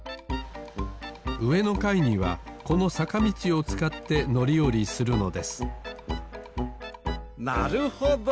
うえのかいにはこのさかみちをつかってのりおりするのですなるほど！